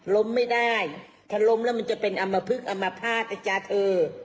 ล้มไม่ได้ถ้าล้มแล้วมันจะเป็นอัมพลึกอัมพาทอาจารย์เธอ